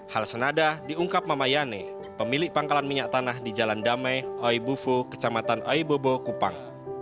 hal senada diungkap mama yane pemilik pangkalan minyak tanah di jalan damai oibufo kecamatan oibobo kupang